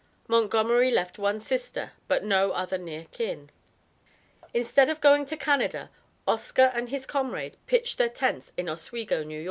Montgomery left one sister, but no other near kin. Instead of going to Canada, Oscar and his comrade pitched their tents in Oswego, N.Y.